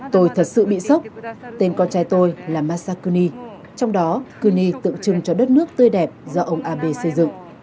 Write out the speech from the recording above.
tôi thật sự bị sốc tên con trai tôi là masakuni trong đó kuni tượng trưng cho đất nước tươi đẹp do ông abe xây dựng